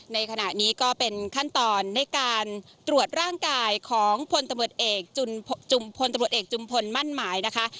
ในขณะนี้ก็เป็นขั้นตอนในการตรวจร่างกายของพลตำรวจเอกพลตำรวจเอกจุมพลมั่นหมายนะคะ